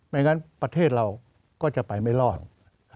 งั้นประเทศเราก็จะไปไม่รอด